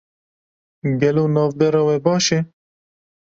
Gelo navbera we baş e?